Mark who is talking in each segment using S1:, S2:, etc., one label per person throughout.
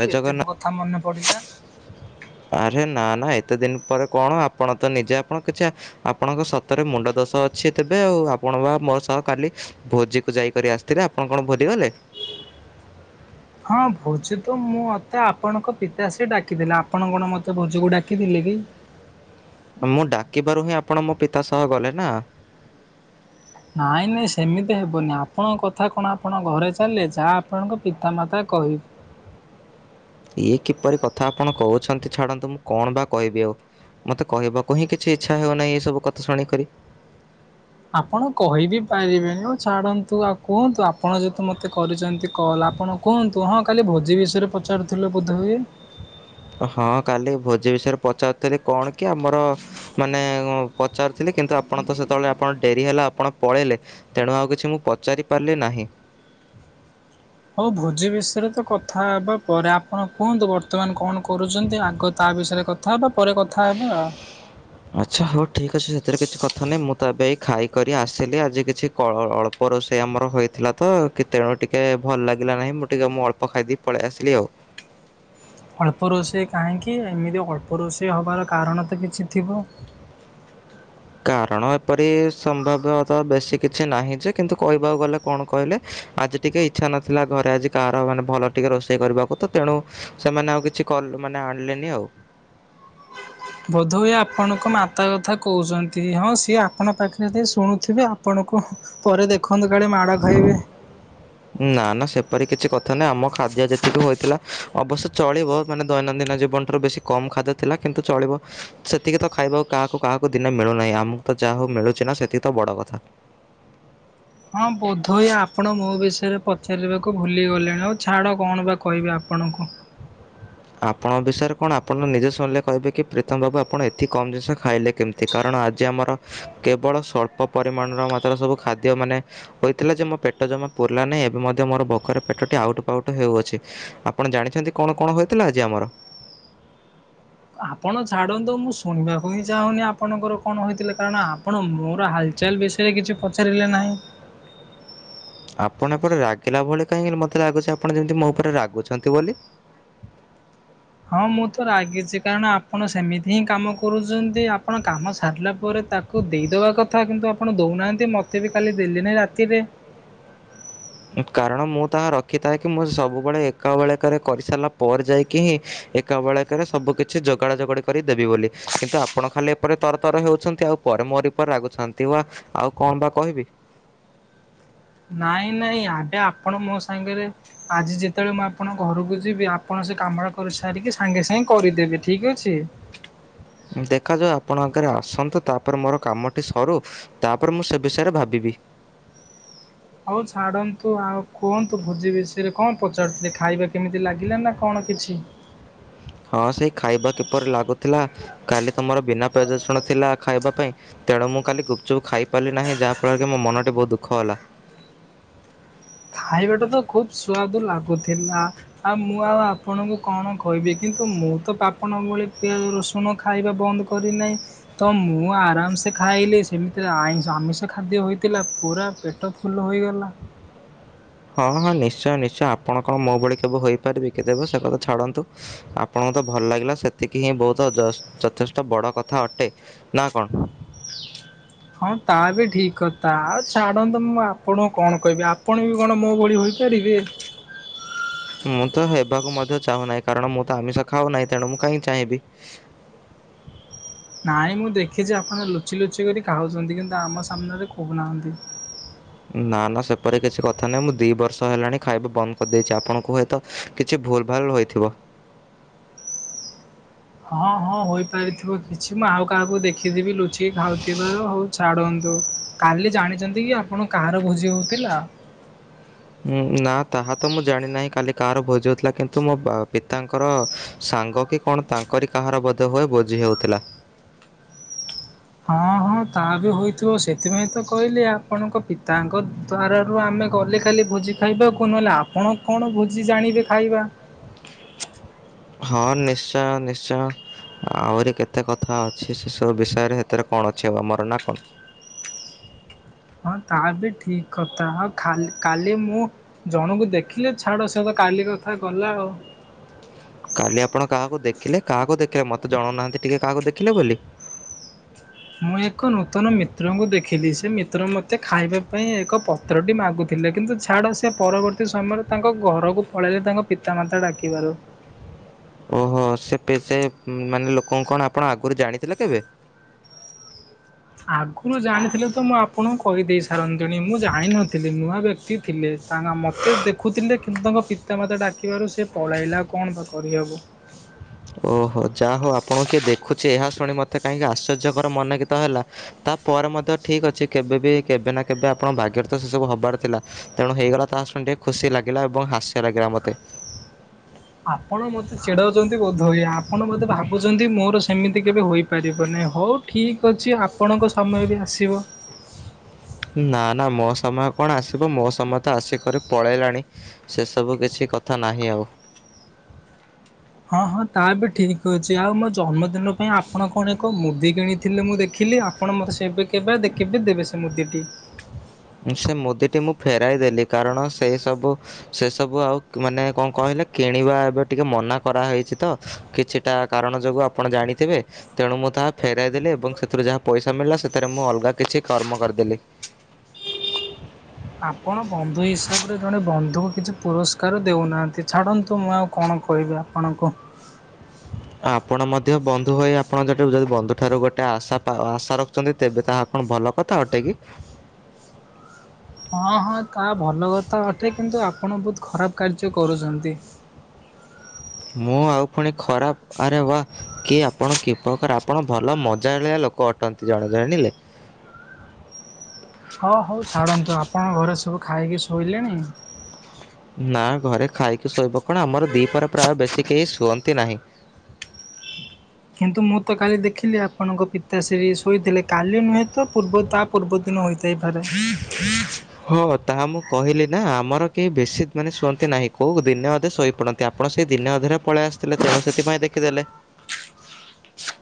S1: ଜୟ
S2: ଏତେ
S1: ଜଗନ୍ନା
S2: ଦି କଥା ମନେ ପଡ଼ିଲା।
S1: ଆରେ ନା ନା ଏତେ ଦିନ ପରେ କଣ ଆପଣ ତ ନିଜେ ଆପଣ କିଛି ଆପଣଙ୍କ ସତରେ ମୁଣ୍ଡ ଦୋଷ ଅଛି ତେବେ ଆଉ ଆପଣ ବା ମୋ ସହ କାଲି ଭୋଜିକୁ ଯାଇକରି ଆସିଥିଲେ ଆପଣ କଣ ଭୁଲି ଗଲେ?
S2: ହଁ ଭୋଜ ତ ମୁଁ ମତେ ଆପଣଙ୍କ ପିତାସ୍ରି ଡାକିଥିଲେ ଆପଣ କଣ ମତେ ଭୋଜକୁ ଡାକିଥିଲେ କି?
S1: ମୁଁ ଡାକିବାରୁ ହିଁ ଆପଣ ମୋ ପିତା ସହ ଗଲେ ନା।
S2: ନାଇଁ ନାଇଁ ସେମିତି ହେବନି ଆପଣଙ୍କ କଥା କଣ ଆପଣଙ୍କ ଘରେ ଚାଲେ ଯାହା ଆପଣଙ୍କ ପିତାମାତା କହି
S1: ଇଏ କିପରି କଥା ଆପଣ କହୁଛନ୍ତି ଛାଡନ୍ତୁ ମୁଁ କଣ ବା କହିବି ଆଉ ମୋତେ କହିବାକୁ ହିଁ କିଛି ଇଚ୍ଛା ହେଉନାହିଁ ଏସବୁ କଥା ଶୁଣିକରି।
S2: ଆପଣ କହିିବି ପାରିବେନି ଆଉ ଛାଡ଼ନ୍ତୁ ଆଉ କୁହନ୍ତୁ ଆପଣ ଯେହେତୁ ମୋତେ କରିଛନ୍ତି କଲ୍ ଆପଣ କୁହନ୍ତୁ ହଁ କାଲି ଭୋଜି ବିଷୟରେ ପଚାରୁଥିଲ ବୋଧ ହୁଏ?
S1: ହଁ କାଲି ଭୋଜି ବିଷୟରେ ପଚାରୁଥିଲି କଣ କି ଆମର ମାନେ ପଚାରୁଥିଲେ କିନ୍ତୁ ଆପଣ ତ ସେତେବେଳେ ଆପଣ ଡେରି ହେଲା ଆପଣ ପଳେଇଲେ ତେଣୁ ଆଉ କିଛି ମୁଁ ପଚାରି ପାରିଲି ନାହିଁ।
S2: ହଉ ଭୋଜି ବିଷୟରେ ତ କଥା ହେବା ପରେ ଆପଣ କୁହନ୍ତୁ ବର୍ତ୍ତମାନ କଣ କରୁଚନ୍ତି ଆଗ ତା ବିଷୟରେ କଥା କଥା ହେବା ପରେ କଥା ହେବା।
S1: ଆଚ୍ଛା ହଉ ଠିକ୍ ଅଛି ସେଥିରେ କିଛି କଥା ନାହିଁ ମୁଁ ତ ଏବେ ଖାଇକ ଆସିଲି ଆଜି କିଛି କ ଅଳ୍ପ ଅଳ୍ପ ରୋଷେଇ ଆମର ହୋଇଥିଲାତ କି ଦେହ ଟିକିଏ ଭଲ ଲାଗିଲା ନାହିଁ ମୁଁ ଟିକେ ମୁଁ ଅଳ୍ପ ଖାଇଦ ପଳେଇ ଆସିଲି ଆଉ।
S2: ଅଳ୍ପ ରୋଷେଇ କାହିଁକି ଏମିତି ଅଳ୍ପ ରୋଷେଇ ହେବାର କାରଣ ତ କିଛି ଥିବ?
S1: କାରଣ ଏପରି ସମ୍ଭବ୍ୟତଃ ବେଶୀ କିଛି ନାହିଁ ଯେ କିନ୍ତୁ କହିବାକୁ ଗଲେ କଣ କହିଲେ ଆଜି ଟିକେ ଇଚ୍ଛା ନଥିଲା ଘରେ ଆଜି କାହାର ମାନେ ଭଲ ଟିକେ ରୋଷେଇ କରିବାକୁ ତେଣୁ ସେମାନେ ଆଉ କି କିଛି କଲ ମାନେ ଆଣିଲେନି ଆଉ।
S2: ବୋଧହୁଏ ଆପଣଙ୍କ ମାତା କଥା କହୁଛନ୍ତି ହଁ ସିଏ ଆପଣଙ୍କ ପାଖରେ ଯ ଶୁଣୁଥିବେ ଆପଣଙ୍କୁ ପରେ ଦେଖନ୍ତୁ କାଳେ ମାଡ଼ ଖାଇବେ।
S1: ନା ନା ସେପରି କିଛି କଥା ନାହିଁ ଆମ ଖାଦ୍ୟ ଯେତିକି ହୋଇଥିଲା ଅବଶ୍ୟ ଚଳିବ ମାନେ ଦୈନନ୍ଦିନ ଜୀବନ ଠାରୁ ବେଶୀ କମ୍ ଖାଦ୍ୟ ଥିଲା କିନ୍ତୁ ଚଳିବ ସେତିକି ତ ଖାଇବାକୁ କାହାକୁ କାହାକୁ ଦିନେ ମିଳୁନାହିଁ ଆମକୁ ତ ଯାହା ହଉ ମିଳୁଚି ନା ସେତିକି ତ ବଡ଼ କଥା।
S2: ହଁ ବୋଧହୁଏ ଆପଣ ମୋ ବିଷୟରେ ପଚାରିବାକୁ ଭୁଲିଗଲେଣି ଆଉ ଛାଡ଼ କଣ ବା କହିବେ ଆପଣଙ୍କୁ?
S1: ଆପଣଙ୍କ ବିଷୟରେ କଣ ଆପଣ ନିଜେ ଶଣିଲେ କହିବେ କି ପ୍ରୀତମ ବାବୁ ଆପଣ ଏତିି କମ୍ ଜିନିଷ ଖାଇଲେ କେମିତି କାରଣ ଆଜି ଆମର କେବଳ ସ୍ୱଳ୍ପ ପରିମାଣର ମାତ୍ର ସବୁ ଖାଦ୍ୟ ମାନେ ହୋଇଥିଲା ଯେ ମୋ ପେଟ ଜମା ପୁରିଲା ନାହିଁ ଏବେ ମଧ୍ୟ ମୋର ଭୋକରେ ପେଟ ଆଉଟ ପାଉଟ ହେଉଅଛି ଆପଣ ଜାଣିଚନ୍ତି କଣ କଣ ହୋଇଥିଲା ଆଜି ଆମର?
S2: ଆପଣ ଛାଡ଼ନ୍ତୁ ମୁଁ ଶୁଣିବାକୁ ହିଁ ଚାହୁଁନି ଆପଣଙ୍କର କଣ ହେଇଥିଲେ କାରଣ ଆପଣ ମୋର ହାଲ୍ ଚାଲ୍ ବିଷୟରେ କିଛି ପଚାରିଲେ ନାହିଁ।
S1: ଆପଣ ଏପଟେ ରାଗିଲା ଭଳି କାହିଁ ମତେ ଲାଗୁଚି ଆପଣ ଯେମିତି ମୋ ଉପରେ ରାଗୁଚନ୍ତି ବୋଲି।
S2: ହଁ ମୁଁ ତ ରାଗିଚି କାରଣ ଆପଣ ସେମିତି ହିଁ କାମ କରୁଚନ୍ତି ଆପଣ କାମ ସାରିଲା ପରେ ତାକ୍ କୁ ଦେଇଦବା କଥା କିନ୍ତୁ ଆପଣ ଦଉନାହାନ୍ତି ମତେ ବି କାଲି ଦେଲେ ନାଇ ରାତିରେ।
S1: କାରଣ ମୁଁ ତାହା ରଖିଥାଏ କି ମୁଁ ସବୁବେଳେ ଏକା ବଳେକରେ କରିସାରିଲା ପରେ ଯାଇକି ହିଁ ଏ ଏକାବେଳକେରେ ସବୁକିଛି ଯୋଗାଡ ଯୋଗାଡି କରିଦେବି ବୋଲି। କିନ୍ତୁ ଆପଣ ଖାଲି ଏପଟେ ତର ତର ହେଉଚନ୍ତି ଆଉ ପରେ ମୋରି ଉପରେ ରାଗୁଚନ୍ତି ଓ ଆ-ଆଉ କଣ ବା କହିବି।
S2: ନାଇଁ ନାଇଁ ଆଗେ ଆପଣ ମୋ ସାଙ୍ଗେରେ ଆଜି ଯେତେବେଳେ ମୁଁ ଆପଣଙ୍କ ଘରକୁ ଯିବି ଆପଣ ସେ କାମଟା କରି ସାରିକି ସାଙ୍ଗେ ସାଙ୍ଗେ କରିଦେବେ ଠିକ୍ ଅଛି।
S1: ଦେଖାଯାଉ ଆପଣ ଆଗରେ ଆସନ୍ତୁ ତାପରେ ମୋର କାମଟି ସରୁ ତାପରେ ମୁଁ ସେ ବିଷୟରେ ଭାବିବି।
S2: ହଉ ଛାଡ଼ନ୍ତୁ ଆଉ କୁହନ୍ତୁ ଭୋଜି ବିଷୟରେ କଣ ପଚାରୁଥିଲେ ଖାଇବା କେମିତି ଲାଗିଲା ନା କଣ କିଛି?
S1: ହଁ ସେ ଖାଇବା କିପରି ଲାଗୁଥିଲା କାଲି ତୁମର ବିନା ପିଆଜ, ରସୁଣ ଥିଲା ଖାଇବା ପାଇଁ ତେଣୁ ମୁଁ କାଲି ଗୁପଚୁପ୍ ଖାଇ ପାରିଲି ନାହିଁ ଯାହା ଫଳରେ କି ମୋ ମନଟି ବହୁତୁ ଦୁଃଖ ହେଲା।
S2: ଖାଇବାକୁ ତ ଖୁବ୍ ସୁଆଦୁ ଲାଗୁଥିଲା। ଆଉ ମୁଁ ଆଉ ଆପଣଙ୍କୁ କଣ କହିବି କିନ୍ତୁ ମୁଁ ତ ଆପଣଙ୍କ ଭଳି ପିଆଜ, ରସୁ ଆପଣ ଖାଇବା ବନ୍ଦ୍ କରିନାହିଁ। ତ ମୁଁ ଆରାମ୍ ସେ ଖାଇଲି ସେମିତିରେ ଆଇଁଷ ଆମିଷ ଖାଦ୍ୟ ହୋଇଥିଲା ପୁରା ପେଟ ପେଟ ଫୁଲ୍ ହୋଇଗଲା।
S1: ହଁ ହଁ ନିଶ୍ଚୟ ନିଶ୍ଚୟ ଆପଣ କଣ ମୋ ଭଳି କେବେ ହୋଇପାରିବେ କି ତେବେ ସେ କଥା ଛାଡନ୍ତୁ ଆପଣଙ୍କୁ ତ ଭଲ ଲାଗିଲା ସେତିକି ହିଁ ବହୁତ ଯଷ୍ଟ-ଯଥେଷ୍ଟ ବଡ କଥା ଅଟେ। ନା କଣ?
S2: ହଁ ତା ବି ଠିକ୍ କଥା ଆଉ ଛାଡ଼ନ୍ତୁ ମୁଁ ଆପଣଙ୍କୁ କଣ କହିବି ଆପଣ ବି କଣ ମୋ ଭଳି ହୋଇପାରିବେ।
S1: ମୁଁ ତ ହେବାକୁ ମଧ୍ୟ ଚାହୁଁନାହିଁ କାରଣ ମୁଁ ତ ଆମିଷ ଖାଉ ନାହିଁ ତେଣୁ ମୁଁ କାହିଁ ଚାହିଁବି
S2: ନାହିଁ ମୁଁ ଦେଖିଚି ଆପଣ ଲୁଚି ଲୁଚି କରି ଖାଉଚନ୍ତି କିନ୍ତୁ ଆମ ସାମ୍ନାରେ କହୁନାହାଁନ୍ତି।
S1: ନା ନା ସେପରି କିଛି କଥା ନାହିଁ ମୁଁ ଦି ବର୍ଷ ହେଲାଣି ଖାଇବା ବନ୍ଦ୍ କରିଦେଇଚି ଆପଣଙ୍କୁ ହୁଏତ କିଛି ଭୁଲ୍ ଭାଲ୍ ହୋଇଥିବ।
S2: ହଁ ହଁ ହୋଇପାରିଥିବ କିଛି ମୁଁ ଆଉ କାହାକୁ ଦେଖିଥିବି ଲୁ ଚି ଖାଉଥିବାର ହଉ ଛାଡନ୍ତୁ -କାଲି ଜାଣିଚନ୍ତି କି ଆପଣ କାହାର ଭୋଜି ହେଉଥିଲା?
S1: ଉଁ- ନା ତାହା ତ ମୁଁ ଜାଣିନାହିଁ କାଲି କାହାର ଭୋଜି ହଉଥିଲା କିନ୍ତୁ ମୋ ପିତାଙ୍କର ସାଙ୍ଗ କି କଣ ତାଙ୍କରି କାହାର ବୋଧ ହୁଏ ଭୋଜି ହଉଥିଲା।
S2: ହଁ ହଁ ତାହା ବି ହୋଇଥିବ ସେଥିପାଇଁ ତ କହିଲି ଆପଣଙ୍କ ପିତାଙ୍କ ଦ୍ବାର ରୁ ଆମେ ଗଲେ ଖାଲି ଭୋଜି ଖାଇବାକୁ ନହେଲେ ଆପଣ କଣ ଭୋଜି ଜାଣିବେ ଖାଇବା।
S1: ହଁ ନିଶ୍ଚୟ ନିଶ୍ଚୟ। ଆହୁରି କେତେ କଥା ଅଛି ସେସବୁ ବିଷୟରେ ସେଥିରେ କଣ ଅଛି ଆଉ ଆମରନାଁ କଣ
S2: ହଁ ତାହା ବି ଠିକ୍ କଥା ହ-ଖାଲି-କାଲି ମୁଁ ଜଣଙ୍କୁ ଦେଖିଲେ ଛାଡ ସେ କାଲି କଥା ଗଲା ଆଉ।
S1: କାଲି ଆପଣ କାହାକୁ ଦେଖିଲେ କାହାକୁ ଦେଖିଲେ ମତେ ଜଣାଉନାହାନ୍ତି ଟିକେ କାହାକୁ ଦେଖିଲେ ବୋଲି
S2: ମୁଁ ଏକ ନୂତନ ମିତ୍ରଙ୍କୁ ଦେଖିଲି ସେ ମିତ୍ର ମତେ ଖାଇବା ପାଇଁ ଏକ ପ ପତ୍ରଟି ମାଗୁଥିଲେ କିନ୍ତୁ ଛାଡ଼ ସେ ପରବର୍ତ୍ତୀ ସମୟରେ ତାଙ୍କ ଘରକୁ ପଳେଇଲେ ତାଙ୍କ ପିତା ମାତା ଡାକିବାରୁ।
S1: ଓହୋ ସେ ପେ- ସେ ମାନେ ଲୋକଙ୍କୁ କଣ ଆପଣ ଆଗରୁ ଜାଣିଥିଲେ କେବେ?
S2: ଆଗରୁ ଜାଣିଥିଲେ ତ ମୁଁ ଆପଣଙ୍କୁ କହିଦେଇ ସାରନ୍ତିଣି ମୁଁ ଜାଣିିନଥିଲି ନୂଆ ବ୍ୟକ୍ତି ଥିଲେ ତା ମୋତେ ଦେଖୁଥିଲେ କିନ୍ତୁ ତାଙ୍କ ପିତାମାତା ଡାକିବାରୁ ସେ ପଳେଇଲେ କଣ ଆଉ କଣ କରିହେବ।
S1: ଓହୋ ଯାହା ହଉ ଆପଣଙ୍କୁ କିଏ ଦେଖୁଚି ଏହା ଶୁଣି ମୋତେ କାହିଁକି ଆଶ୍ଚର୍ଯ୍ୟକର ମନେକର ତ ହେଲା। ତାପରେ ମଧ୍ୟ ଠିକ୍ ଅଛି, କେବେବି କେବେ ନା କେବେ ଆପଣ ଭାଗ୍ୟରେ ତ ସେ ସବୁ ହବାର ଥିଲା। ତେଣୁ ହେଇଗଲା ତା ଶୁଣି ଟିକେ ଖୁସି ଲାଗିଲା ଏବଂ ହାସ୍ୟ ଲାଗିଲା ମତେ।
S2: ଆପଣ ମୋତେ ଚିଡ଼ଉଛନ୍ତି ବୋଧ ହୁଏ, ଆପଣ ମୋତେ ଭାବୁଛନ୍ତି ମୋର ସେମିତି କେବେ ହୋଇପାରିବ ନାହିଁ ହଉ ଠିକ୍ ଅଛି ଆପଣଙ୍କ ସମୟ ବି ଆସିବ।
S1: ନା ନା ମୋ ସମୟ କଣ ଆସିବ ମୋ ସମୟ ତ ଆସିକରି ପଳେଇଲାଣି। ସେ ସବୁ କିଛି କଥା ନାହିଁ ଆଉ।
S2: ହଁ ହଁ ତା ବି ଠିକ୍ ଅଛି, ଆଉ ମୋ ଜନ୍ମଦିନ ପାଇଁ ଆପଣ କଣ ଏକ ମୁଦି କିଣି ଥିଲେ ମୁଁ ଦେଖିଲି, ଆପଣ ମୋତେ ସେବେ କେବେ ଦେ କେବେ ସେ ମୁଦିଟି?
S1: ସେ ମୁଦିଟି ମୁଁ ଫେରାଇ ଦେଲି କାରଣ ସେଇ ସବୁ ସେସବୁ ଆଉ କ୍ ମାନେ କଣ କହିଲେ କିଣିବା ଏବେ ଟିକେ ମନା କରାହେଇଛି ତ? କିଛିଟା କାରଣ ଯୋଗୁ ଆପଣ ଜାଣିଥିବେ। ତେଣୁ ମୁଁ ତାହା ଫେରାଇ ଦେଲି ଏବଂ ସେଥିରୁ ଯାହା ପଇସା ମିଳିଲା ସେଥିରେ ମୁଁ ଅଲଗା କିଛି କର୍ମ କରିଦେଲି।
S2: ଆପଣ ବନ୍ଧୁ ହିସାବରେ ଜଣେ ବନ୍ଧୁକୁ କିଛି ପୁରସ୍କାର ଦେଉନାହାନ୍ତି, ଛାଡ଼ନ୍ତୁ ମୁ ଆଉ କଣ କହିବି ଆଉ। ଆପଣଙ୍କୁ?
S1: ଆପଣ ମଧ୍ୟ ବନ୍ଧୁ ହୋଇ ଆପଣ ଯାଠାରୁ ଯଦି ବନ୍ଧୁ ଠାରୁ ଗୋଟେ ଆଶା ପା ଆଶା ର ଖିଛନ୍ତି ତେବେ ତାହା କଣ ଭଲ କଥା ଅଟେକି?
S2: ହଁ ହଁ ତାହା ଭଲ କଥା ଅଟେ କିନ୍ତୁ ଆପଣ ବହୁତ ଖରାପ କାର୍ଯ୍ୟ କରୁଛନ୍ତି।
S1: ମୁଁ ଆଉ ଫୁଣି ଖରାପ, ଆରେ ବାଃ। କି ଆପଣ କି ପ୍ରକାର ଆପଣ ଭଲ ମଜାଳିଆ ଲୋକ ଅଟନ୍ତି ଜଣେ ଜାଣିଲେ।
S2: ହଁ ହଉ ଛାଡ଼ନ୍ତୁ, ଆପଣଙ୍କ ଘରେ ସବୁ ଖାଇକି ଶୋଇଲେଣି?
S1: ନା ଘରେ ଖାଇକି ଶୋଇବ କଣ ଆମର ଦିପର ପ୍ରାୟ ବେଶୀ କେହି ଶୁଅନ୍ତି ନାହିଁ।
S2: କିନ୍ତୁ ମୁଁ ତ କାଲି ଦେଖିଲି ଆପଣଙ୍କ ପିତାଶ୍ରୀ ଶୋଇଥିଲେ, କାଲି ନୁହେଁ ତ ପୂର୍ବ ତା ପୂର୍ବ ଦିନୁ ହୋଇଥାଇ ପାରେ।
S1: ହଁ ତାହା ମୁଁ କହିଲି ନା ଆମର କେହି ବେଶୀ ମାନେ ଶୁଅନ୍ତି ନାହିଁ କୋଉ ଦିନେ ଅଧେ ଶୋଇପଡ଼ ନ୍ତି ଆପଣ ସେ ଦିନେ ଅଧେରେ ପଳେଇ ଆସିଥିଲେ ତେଣୁ ସେଥିପାଇଁ ଦେଖିଦେଲେ।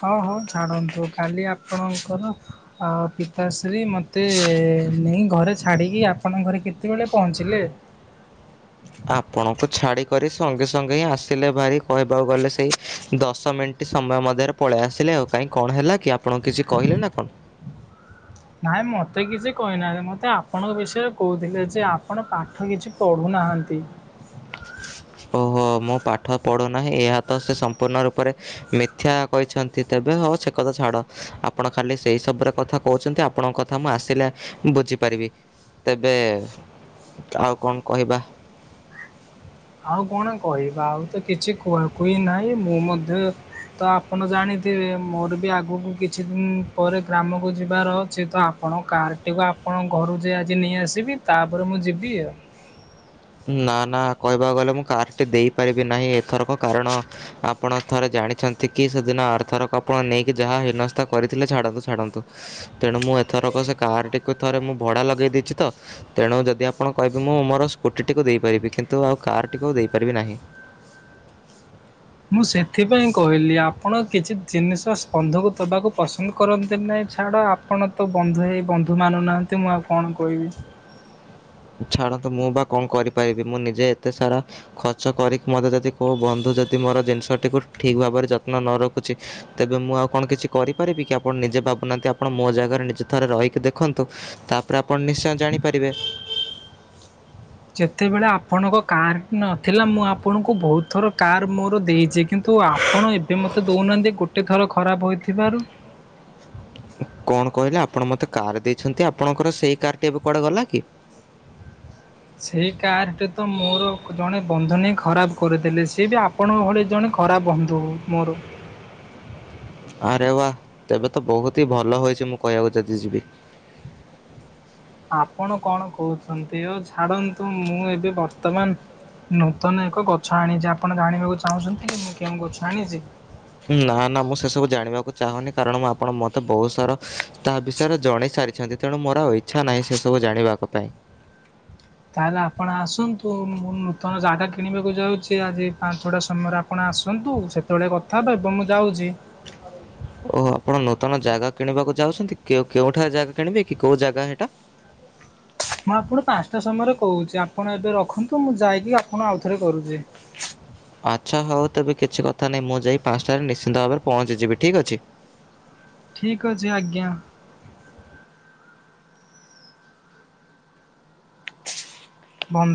S2: ହଁ ହଉ ଛାଡ଼ନ୍ତୁ କାଲି ଆପଣଙ୍କର ଆଉ ପିତାଶ୍ରୀ ମୋତେ ନେଇ ଘରେ ଛାଡ଼ିକି ଆପଣଙ୍କ ଘରେ କେତେବେଳେ ପହଞ୍ଚିଲେ?
S1: ଆପଣଙ୍କୁ ଛାଡ଼ିକରି ସଙ୍ଗେ ସଙ୍ଗେ ହିଁ ଆସିଲେ ଭାରି କହିବାକୁ ଗଲେ ସେଇ ଦଶ ମିଣ୍ଟ୍। ଣ୍ଟି ସମୟ ମଧ୍ୟରେ ପଳେଇ ଆସିଲେ ଆଉ, କାହିଁ କଣ ହେଲା କି ଆପଣ କିଛି କହିଲ ନା କଣ?
S2: ନାଇଁ ମୋତେ କିଛି କହିନାହାନ୍ତି, ମୋତେ ଆପଣଙ୍କ ବିଷୟରେ କହୁଥିଲେ ଯେ ଆପଣ ପାଠ କିଛି ପଢ଼ୁନାହାନ୍ତି।
S1: ଓହୋ ମୁଁ ପାଠ ପଢ଼ୁନାହିଁ ଏହା ତ ସେ ସମ୍ପୂର୍ଣ୍ଣ ରୂପରେ ମିଥ୍ୟା କହିଛନ୍ତି ତେବେ ହଉ ସେ କଥା ଛାଡ଼, ଆପଣ ଖାଲି ସେଇ ସବୁରେ କଥା କହୁଛନ୍ତି ଆ ଆପଣଙ୍କ କଥା ମୁଁ ଆସିଲେ ବୁଝିପାରିବି, ତେବେ କାହାକୁ କଣ କହିବା?
S2: ଆଉ କଣ କହିବା ଆଉ ତ କିଛି କୁହା କୁହି ନାହିଁ, ମୁଁ ମଧ୍ୟ ତ ଆପଣ ଜାଣିଥିବେ ମୋର ବି ଆଗକୁ କିଛି ଦିନ୍ ପରେ ଗ୍ରାମକୁ ଯିବାର ଅଛି, ତ ଆ ଆପଣଙ୍କ କାରଟିକୁ ଆପଣଙ୍କ ଘରୁ ଯାଇ ଆଜି ନେଇଆସିବି ତାପରେ ମୁଁ ଯିବି ଆଉ।
S1: ନା ନା କହିବାକୁ ଗଲେ ମୁଁ କାର୍ ଟି ଦେଇପାରିବି ନାହିଁ ଏଥରକ କାରଣ ଆପଣ ଥରେ ଜାଣିଛନ୍ତି କି ସେଦିନ ଆରଥରକ ଆପଣ ନେଇକି ଯାହା ହିନସ୍ତା କରିଥିଲେ ଛାଡ଼ନ୍ତୁ ଛାଡ଼ନ୍ତୁ। ତେଣୁ ମୁଁ ଏଥରକ ସେ କାର୍ ଟିକୁ ଥରେ ମୁଁ ଭଡ଼ା ଲଗେଇ ଦେଇଛି ତ। ତେଣୁ ଯଦି ଆପଣ କହିବେ ମୁଁ ମୋର ସ୍କୁଟିଟିକୁ ଦେଇପାରିବି କିନ୍ତୁ ଆଉ କାର୍ ଟିକୁ ଆଉ ଦେଇପାରିବି ନାହିଁ।
S2: ମୁଁ ସେଥିପାଇଁ କହିଲି ଆପଣ କିଛି ଜିନିଷ ସ୍ପନ୍ଧକୁ ଦେବାକୁ ପସନ୍ଦ କରନ୍ତି ନାହିଁ, ଛାଡ଼ ଆ ଆପଣ ତ ବନ୍ଧୁ ହେଇ ବନ୍ଧୁ ମାନୁନାହାଁନ୍ତି ମୁଁ ଆଉ କଣ କହିବି।
S1: ଛାଡ଼ନ୍ତୁ ମୁଁ ବା କଣ କରିପାରିବି ମୁଁ ନିଜେ ଏତେ ସାରା ଖର୍ଚ୍ଚ କରିକି ମୋତେ ଯଦି କୋଉ ବନ୍ଧୁ ଯଦି ମୋର ଜିନିଷଟିକୁ ଠିକ୍ ଭାବରେ ଯତ୍ନ ନ ରଖୁଛି ତେବେ ମୁଁ ଆଉ କଣ କିଛି କରିପାରିବି କି ଆପଣ ନିଜେ ଭାବୁନାହାନ୍ତି ଆପଣ ମୋ ଜାଗାରେ ନିଜେ ଥରେ ରହିକି ଦେଖନ୍ତୁ। ତାପରେ ଆପଣ ନିଶ୍ଚୟ ଜାଣିପାରିବେ।
S2: ଯେତେବେଳେ ଆପଣଙ୍କ କାର୍ ନଥିଲା ମୁଁ ଆପଣଙ୍କୁ ବହୁତ୍ ଥର କାର୍ ମୋର ଦେଇଚି କିନ୍ତୁ ତୁ ଆପଣ ଏବେ ମତେ ଦୋଉନାହାନ୍ତି ଗୋଟେ ଥର ଖରାପ୍ ହୋଇଥିବାରୁ
S1: କଣ କହିଲେ ଆପଣ ମତେ କାର୍ ଦେଇଛନ୍ତି। ଆପଣଙ୍କର ସେଇକାର୍ ଟି ଏବେ କୁଆଡେ ଗଲାକି?
S2: ସେଇ କାର୍ ଟି ତ ମୋର ଜଣେ ବନ୍ଧୁନେଇ ଖରାପ୍ କରୁଦେଲେ ସିଏ ବି ଆପ ଆପଣଙ୍କ ଭଳି ଜଣେ ଖରାପ୍ ବନ୍ଧୁ ମୋର।
S1: ଆରେ ବା ତେବେ ତ ବହୁତି ହି ଭଲ ହେଇଚି ମୁଁ କହିବାକୁ ଯଦି ଯିବି।
S2: ଆପଣ କଣ କହୁଛନ୍ତି ଅ ଛାଡନ୍ତୁ ମୁଁ ଏବେ ବର୍ତ୍ତମାନ ନୂତନ ଏକ ଗଛ ଆଣିଚି। ଆପଣ ଜାଣିବାକୁ ଚାହୁଁଛନ୍ତି କି ମୁଁ କେଉଁ ଗଛ ଆଣିଚି?
S1: ନା ନା ମୁଁ ସେ ସବୁ ଜାଣିବାକୁ ଚାହୁଁନି କାରଣ ମୁଁ ଆପଣ ମତେ ବହୁତ୍ ସାର ତାହା ବିଷୟରେ ଜଣେଇ ସାରିଛନ୍ତି। ତେଣୁ ମୋର ଆଉ ଇଚ୍ଛା ନାହିଁ ସେ ସବୁ ଜାଣିବାକ ପାଇଁ।
S2: ତାହେଲେ ଆପଣ ଆସନ୍ତୁ ମୁଁ ନୂତନ ଯାଗା କିଣିବାକୁ ଯାଉଚି ଆଜି ପାମ୍ପଡ ସମୟର? ଆପଣ ଆସନ୍ତୁ। ସେତେବେଳେ କଥା ହେବା ଏବଂ ମୁଁ ଯାଉଚି।
S1: ଓହୋ ଆପଣ ନୂତନ ଜାଗା କିଣିବାକୁ ଯାଉଛନ୍ତି? କେଉଁ କେଉଁ ଠାରେ ଜାଗା କିଣିବେ କି? କୋଉ ଜାଗା ହେଟା?
S2: ମୁଁ ଆପଣ ପାଞ୍ଚଟା ସମୟରେ କହୁଚି। ଆପଣ ଏବେ ରଖନ୍ତୁ ମୁଁ ଯାଇକି ଆପଣ ଆଉଥରେ କରୁଚି?
S1: ଆଚ୍ଛା ହଉ ତେବେ କିଛି କଥା ନାହିଁ ମୁଁ ଯାଇ ପାଞ୍ଚଟାରେ ନିଶ୍ଚିନ୍ତ ଭାବରେ ପହଞ୍ଚିଯିବି। ଠିକ୍ ଅଛି।
S2: ଠିକ୍ ଅଛି ଆଜ୍ଞା। ଫନ୍ଧୁ